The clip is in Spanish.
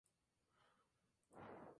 de hecho cuando llegue